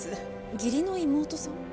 義理の妹さん？